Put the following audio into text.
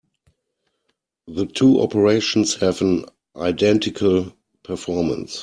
The two operations have an identical performance.